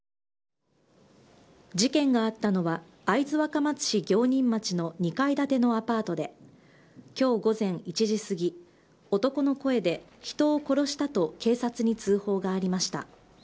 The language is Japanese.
事件があったのは、会津若松市行仁町の２階建てのアパートで、きょう午前１時過ぎ、男の声で人を殺したと警察に通報がありました。